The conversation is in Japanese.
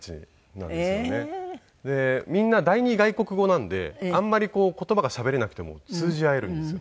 でみんな第２外国語なんであんまり言葉がしゃべれなくても通じ合えるんですよ